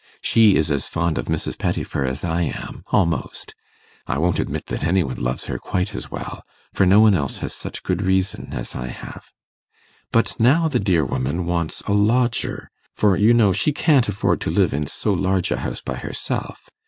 She is as fond of Mrs. Pettifer as I am almost; I won't admit that any one loves her quite as well, for no one else has such good reason as I have. But now the dear woman wants a lodger, for you know she can't afford to live in so large a house by herself.